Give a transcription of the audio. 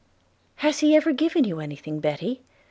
'Has he ever given you any thing, Betty?'